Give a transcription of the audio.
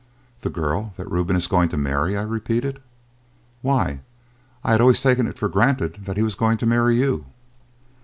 "The girl that Reuben is going to marry!" I repeated. "Why, I had always taken it for granted that he was going to marry you."